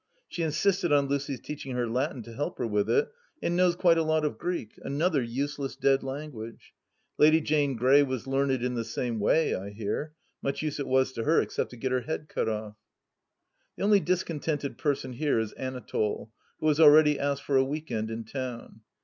She insisted on Lucy's teaching her Latin to help her with it, and knows quite a lot of Greek — another useless dead language ! Lady Jane Grey was learned in the same way, I hear. Much use it was to her, except to get her head cut off I The only discontented person here is Anatole, who has already asked for a week end in town.